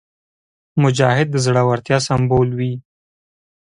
مجاهد د زړورتیا سمبول وي.